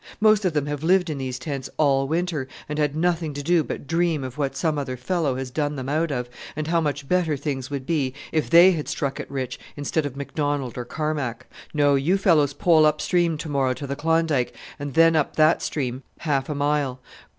Most of them have lived in these tents all winter, and had nothing to do but dream of what some other fellow has done them out of, and how much better things would be if they had struck it rich instead of McDonald or Carmack! No, you fellows pole up stream to morrow to the Klondike, and then up that stream half a mile.